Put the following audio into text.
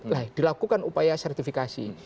lah dilakukan upaya sertifikasi